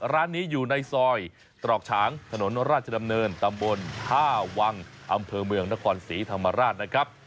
ร้านนี้อยู่ในซอยตรอกฉางถนนราชดำเนินตำบลท่าวังอำเภอเมืองนครศรีธรรมราชนะครับ